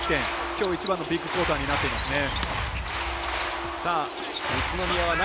きょう一番のビッグクオーターになってますね。